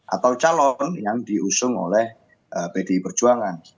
atau calon yang diusung oleh pdi perjuangan